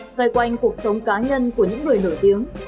xoay quanh cuộc sống cá nhân của những người nổi tiếng